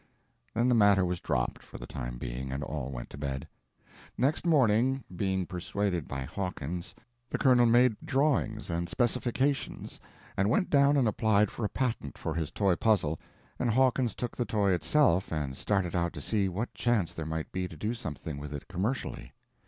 Then the matter was dropped, for the time being, and all went to bed. Next morning, being persuaded by Hawkins, the colonel made drawings and specifications and went down and applied for a patent for his toy puzzle, and Hawkins took the toy itself and started out to see what chance there might be to do something with it commercially.